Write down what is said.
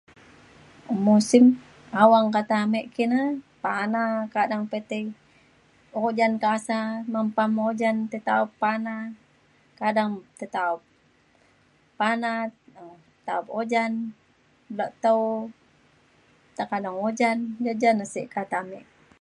musim awang kata amik ki ne pana kadang pe tai ojan kasa mempam ojan tetaup pana. kadang tetaup pana um tetaup ojan. beluak tau tekadang ojan. ja ja ne sik kata amik ki.